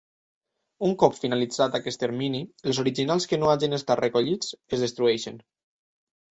Un cop finalitzat aquest termini, els originals que no hagin estat recollits es destrueixen.